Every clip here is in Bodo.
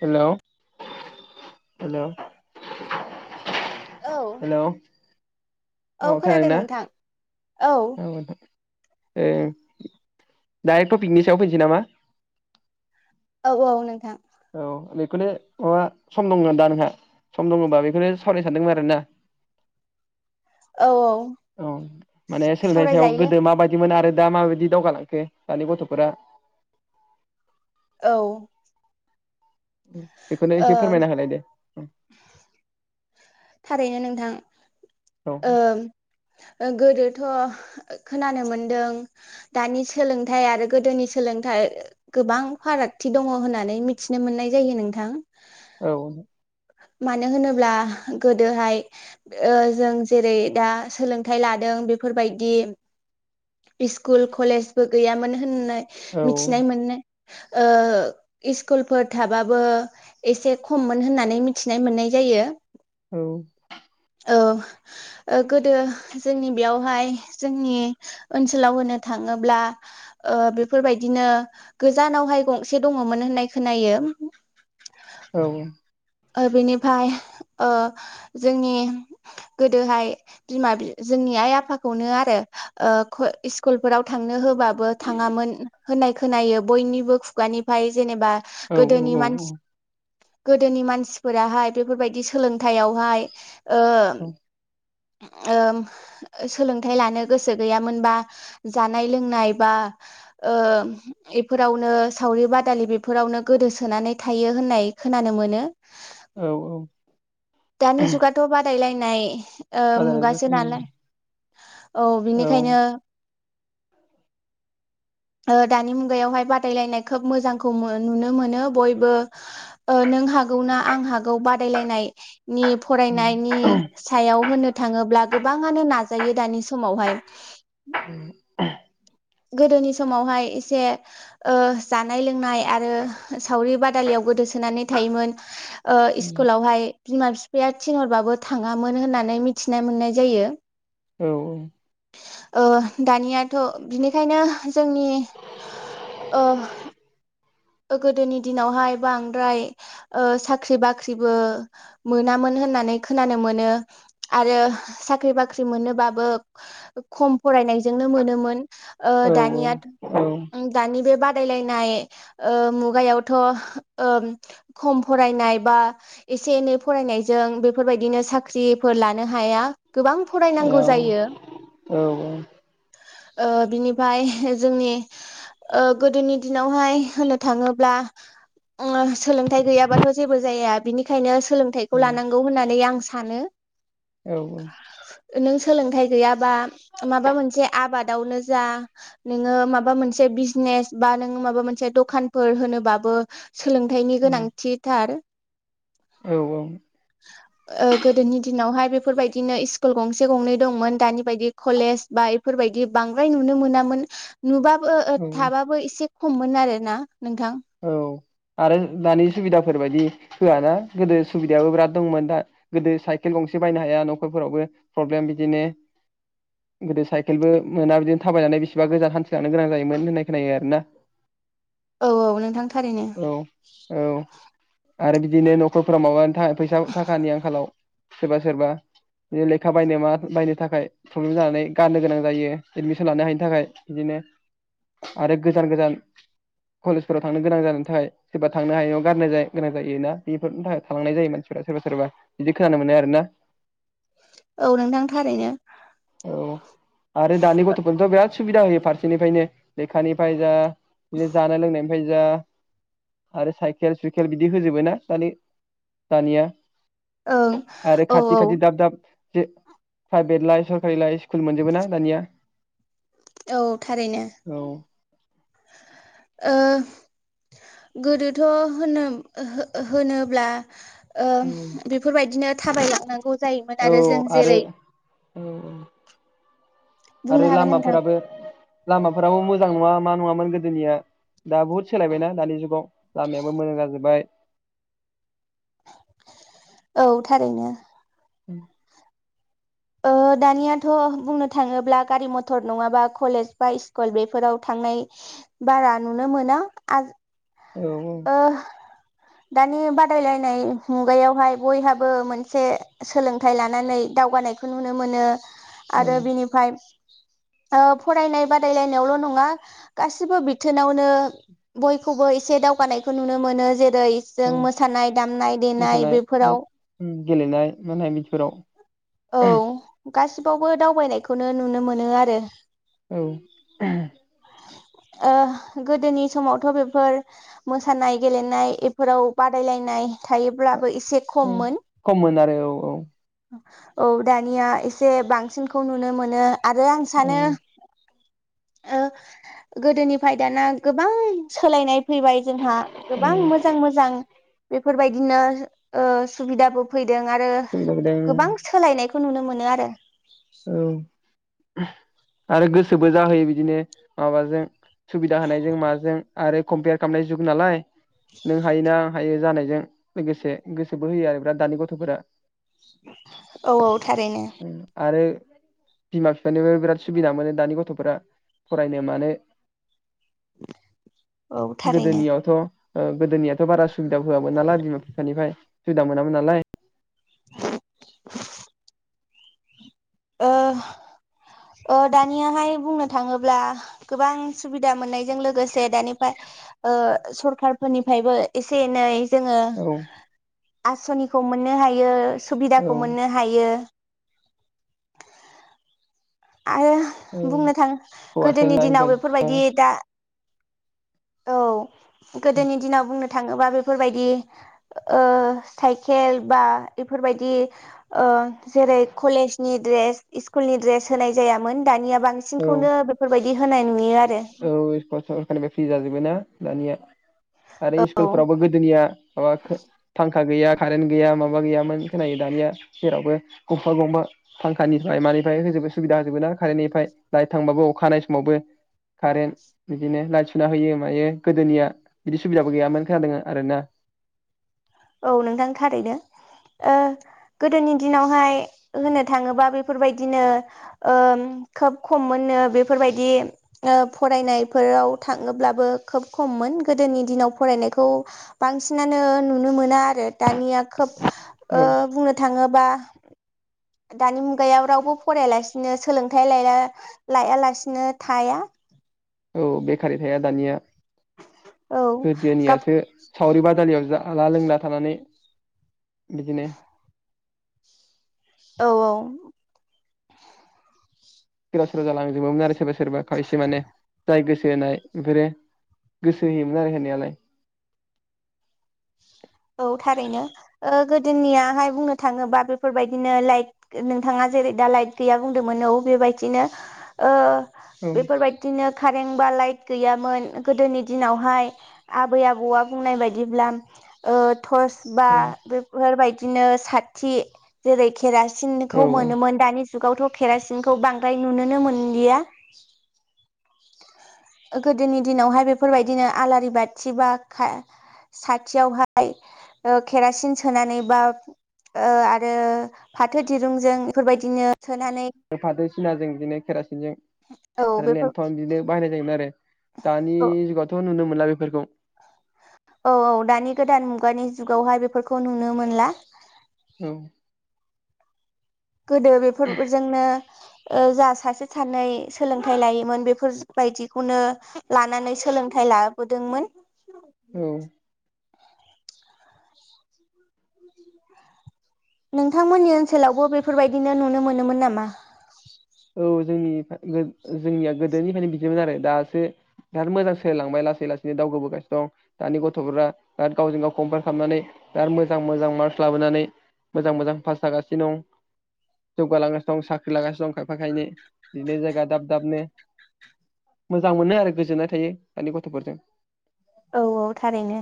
हेलौ हेलौ औ हेलौ औ अ खोनादों खोनादोंना नोंथां औ ओ दायो टपिकनि सायाव फैनोसै नामा औ नोंथां औ बेखौनो माबा सम दङमोन दा नोंहा सम दङबा बेखौनो सावरायनो सानदोंमोन आरोना औ । औ माने सोलोंथाइ सायाव सावरायजायो गोदो माबायदिमोन आरो दा माबायदि दावगालांखो दानि गथ'फोरा। औ बेखौनो ओ एसे फोरमायना होलाय दे । थारैनो नोंथां औ ओ ओ गोदो थ' खोनानो मोनदों दानि सोलोंथाइ आरो गोदोनि सोलोंथाइ गोबां फारागथि दङ होननानै मिथिनो मोननाय जायो नोंथां । औ मानो होनोब्ला गोदोहाय ओ जों जेरै दा सोलोंथाइ लादों बेफोरबायदि स्कुल कलेजबो गैयामोन होननाय औ मिथिनाय मोननो ओ इस्कुलफोर थाबाबो एसे खममोन होननानै मिथ थिनाय मोननाय जायो । औ औ गोदो जोंनि बेयावहाय जोंनि ओनसोलाव होनो थाङोब्ला ओ बेफोरबायदिनो गोजानावहाय गंसे दङमोन होननाय खोनायो । औ ओ बिनिफ्राय ओ जोंनि गोदोहाय बिमा बि जोंनि आइ आफाखौनो आरो ओ ख-स्कुलफोराव थांनो होबा बो थाङामोन । होननाय खोनायो बयनिबो खुगानिफाय जेनेबा औ गोदोनि औ मानसि दोनि मानसिफोराहाय बेफोरबायदि सोलोंथाइयावहाय औ ओ सोलोंथाइ लानो गोसो गैयामोनबा जानाय लोंनाय बा ओ इफोरावनो सावरि बादालि बेफोरावनो गोदोसोनानै थायो होननाय खोनानो मोनो । ओ औ औ दानि जुगाथ' बादायलाय नाय ओ बादायनायजों मुगासो नालाय औ बिनिखायनो ओ दानि मुगायावहाय बादायलायनाय खोब मोजांखौ मो नुनो मोनो बयबो ओ नों हागौ ना आं हागौ गौ बादायलायनाय नि औ फरायनायनि सायाव होनो थांङोब् ब्ला गोबांङानो नाजायो दानि समावहाय [unintelligible] गोदोनि समावहाय एसे ओ जानाय लोंनाय आरो सावरि बादालियाव गोदोसोनानै थायोमोन ओ स्कुलावहाय बिमा बिफा बिराद थिनहरबाबो थाङामोन होननानै मिथिना मोननाय जायो औ औ औ दानियाथ' बिनिखायनो जोंनि ओ गोदोनि दिनावहाय बांद्राय ओ साख्रि बाख्रिबो मोनामोन होननानै खोनानो मोनो आरो साख्रि बाख्रि मोनोबाबो खम फरायनायजोंनो मोनोमोन ओ दानियाथ' औ दानि बे बादाय लायनाय ओ मुगायावथ' उम खम फरायनाय बा एसे एनै फरायनायजों बेफोर बायदिनो साख्रिफोर लानो हाया गोबां फरायनांगौ जायो औ ओ बिनिफ्राय जोंनि ओ गोदोनि दिनावहाय होनो थांङोब्ला उम सोलोंथाइ गैयाबाथ' जेबो जाया बिनिखायनो सोलोंथाइखौ औ लानांगौ होननानै आं सानो औ औ नों सोलोंथाइ गैयाबा माबा मोनसे आबादावनो जा नोंङो माबा मोनसे बिजनेस बा नोङो माबा मोनसे दा दखानफोर होनोबाबो सोलोंथाइनि गोनांथिथार औ औ ओ गोदोनि दिनावहाय बेफोरबायदिनो स्कुल गंसे गंनै दंमोन दानि बायदि कलेज बा बेफोरबायदि बांद्राय नुनो मोनामोन नुबाबो बाबो औ थाबाबो एसे खममोन आरो ना नोंथां औ आरो दानि सुबिदाफोर बदि होआ ना गोदो सुबिदायाबो बिराद दंमोन दा गोदो साइकेल गंसे बायनो हाया न'खरफोरावबो प्रब्लेम बिदिनो गोदो साइकेलबो मोना बिदिनो थाबायनानै बिसेबा गोजान हान्थिलांनो गोनां जायोमोन होननाय खोनायो आरोना औ औ नोंथां थारैनो औ औ आरो बिदिनो न'खरफ्रा माबा खाय फैसा थाखानि आंखालाव सोरबा सोरबा बिदिनो लेखा बायनो मा बायनो थाखाय प्रब्लेम जानानै गारनो गोनां जायो एडमिसन लानो हायिनि थाखाय बिदिनो आरो गोजान गोजान कलेजफोराव थांनो गोनां जा थाखाय सोरबा थांनो हायैआव गारनाय जा गोनां जायोना बेफोरनि थाखाय थालांनाय जायो मानसिफोरा सोरबा सोरबा बिदि खोनानो मोनो आरोना औ नोंथां थारैनो औ आरो दानि गथ फोरनिफ्राय बेराद सो सुबिदा होयो फारसेनिफ्रायनो लेखानिफ्राय जा दिनो जानाय लोंनायनिफ्राय जा आरो साइकेल सुइकेल बिदि होजोबो ना दानि दानिया ओं आरो औ खाथि औ खाथि दाब दाब दे प्राइभेट लायफ सरकारि लायस कुल मोनजोबो ना दानिया औ थारैनो। औ ओ गोदोथ' होनो ओहो ओ होनोब्ला ओ औ बेफोरबायदिनो थाबायलांनां औ आरो औ औ बुंनो आरो हागोन नोंथां लामाफोराबो लामा फोराबो मोजां नङा मा नङामोन गोदोनिया दा बुहुत सोलायबायना दानि जुगाव लामायाबो मोजां जाजोबबाय। औ थारैनो औ ओहो दानियाथ' बुंनो थाङोब्ला गारि मथर नङाबा कलेज बा इस्कल बेफोराव थांनाय बारा नुनो मोना आज औ औ दानि बादायलायनाय मुगायावहाय बयहाबो मोनसे सोलोंथाइ लानानै दावगानायखौ नुनो मोनो। औ आरो बिनिफाय ओ फरायनाय बादायलायनायावल' नङा गासिबो बिथोनावनो बयखौबो एसे दावग गानायखौ नुनो मोनो जेर रै जों औ मोसानाय दामनाय देनाय मोसानाय बेफोराव गेलेनाय नुनाय औ बिदिफोराव [inaudible] गासिबावबो दावबायनायखौनो नुनो मोनो आरो औ ओह गोदोनि समावथ' बेफोर मोसानाय गेलेनाय एफोराव बादायलायनाय थायोब्लाबो एसे खममोन खममोन आरो औ औ औ दानिया एसे बांसिनखौ नुनो मोनो। आरो आं औ सानो ओ गोदोनिफ्राय दाना गोबां सोलायनाय फैबाय जोंहा गोबां मोजां मोजां बेफोरबायदिनो ओ सुबिदाबो फै दों आरो सुबिदा होदों गोबां सोलायनायख खौ नुनो मोनो आरो औ आरो गोसोबो जाहोयो बिदिनो माबाजों सुबिदा होनायजों माजों आरो कम्पियार खालामनाय जुग नालाय नों हायोना आं हायो जानायजों लोगोसे गोसोबो होयो आरो बिराद दानि गथ'फोरा। औ औ थारैनो आरो बिमा बिफानिबो बिराद सुबिदा मोनो दानि गथ'फोरा फरायनो मानो। औ थारैनो गोदोनियावथ ' ओ गोदोनियाथ' बारा सु सुबिदा होआमोन नालाय बिमा बिफानिफाय। सुबिदा मोनामोन नालाय। ओ ओ दानियाहाय बुंनो थाङोब्ला गोबां सुबिदा मोननायजों लोगोसे दानिफ्राय ओ सरखारफोरनिफ्रायबो एसे एनै जोङो औ आस'निखौ मोननो हायो। औ सुबिदाखौ मोननो हायो। आरो औ बुंनो थाङो हौवासा गोदोनि ना दिनाव हिनजावसा बेफोरबायदि दा औ गोदोनि दिनाव बुंनो थाङोबा बेफोरबायदि ओ साइकेल बा बेफोरबायदि ओ जेरै कलेजनि द्रेस स्कुलनि द्रेस होनाय जायामोन। दानिया औ बांसिनखौनो बेफोरबाय बिदि होनाय नुयो आरो औ [unintelligible] फ्रि जाजोब बोना दानिया। आरो औ स्कुलफोरावबो गोदोनिया माबाखो था फांखा गैया कारेन्ट गैया माबा गैयामोन खोनायो दानिया जेरावबो गंफा गंफा फांखानिफ्राय मानिफ्राय होजोबो सुबिदा होजोबोना कारेन्टनिफ्राय लाइट थांबाबो अखा हानाय समावबो। कारेन्ट बिदिनो लाइट सुना होयो मायो गोदोनिया बिदि सुबिदाबो गैयामोन खोनादों आरो ना। औ नोंथां थारैनो ओ गोदोनि दिनावहाय होननो थाङोब्ला बेफोरबायदिनो ओ खोब खममोननो बेफोरबायदि ओ फरायनायफोराव थाङोब्लाबो खोब खममोन गोदोनि दिनाव फरायनायखौ बांसिनानो नु नो मोना आरो दानिया खोब ओ औ बुंनो थाङो बा दानि मुगायाव रावबो फरायालासिनो सोलोंथाइ लाया लायालासिनो थाया। औ बेखारै थाया दानिया। औ गाब गोदोनियासो सावरि बादायनायाव जा जाला लोंला थानानै बिदिनो औ औ गोदाव सोराव जालांजोबोमोन आरो सोरबा सोरबा खायसे माने जाय गोसो होनाय बेफोरो गोसो होयोमोन आरो होनायालाय। औ थारैनो ओ गोदोनियाहाय बुंनो थाङोबा बेफोरबायदिनो लाइट नोंथाङा जेरै दा लाइट गैया बुंदोंमोन औ बेबायदिनो ओ औ बेफोरबायदिनो कारेन्ट बा लाइट गैयामोन गोदोनि दिनावहाय आबै आबौआ बुंनाय बायदिब्ला ओ टस बा बेफोरबायदि बिदिनो साथि जेरै खेरास सिन औ खौ मोनोमोन दानि जुगावथ' केरासिनखौ बांद्राय नुनोनो मोनलिया । गोदोनि दिनावहाय बेफोरबायदिनो आलारि बाथि बा खा साथियावहाय ओ केरासिन सोनानै बा ओ आरो फाथो दिरुंजों बेफोरबायदिनो सोनानै फाथो सिनाजों बिदिनो केरासिनजों औ आरो बेफोर लेन्थन बिदिनो बाहायनाय जायोमोन आरो । दानि औ जुगावथ' नुनो मो मोनला बेफोरखौ औ औ दानि गोदान मुगानि जुगावहाय बेफोरखौ नुनो मोनला । औ गोदो बेफोरजोंनो ओ जा सासे सानै सोलोंथाइ लायोमोन बेफोरबायदिखौनो लानानै सोलोंथाइ लाबोदोंमोन । [inaudible] औ औ नोंथांमोननि ओनसोलावबो बेफोरबायदिनो नुनो मोनोमोन नामा? औ जोंनि जोंनिया गोदोनिफ्रायनो बिदिमोन आरो दासो बिराद मोजां सोलिलांबाय लासै लासैनो दावगबोगासिनो दं दानि गथ'फोरा गावजों गाव कम्पेयार खालामनानै बिराद मोजां मोजां मार्कस लाबोनानै मोजां मोजां पास जागासिनो दं जौगालांगासिनो दं साख्रि लागासिनो दं । फाखायनो बिदिनो जायगा दाब दाबनो मोजां मोनो आरो गोजोननाय थायो दानि गथ'फोरजों । औ औ थारैनो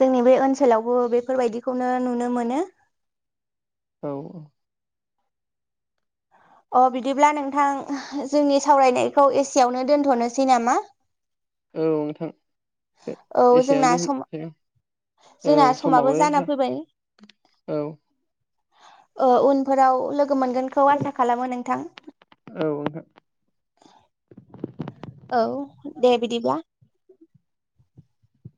जोंनि बे ओनसोलावबो बेफोरबायदिखौनो नुनो मोनो । औ औ अ बिदिब्ला नोंथां जोंनि सावरायनायखौ एसेयावनो दोनथ'नोसै नामा? औ नोंथां । औ जोंना एसेनो सम [unintelligible] औ जोंना समाबो जाना जा फैबाय औ ओ उनफोराव लोगो मोनगोनखौ आसा खालामो नोंथां औ नोंथां । औ दे बिदिब्ला ।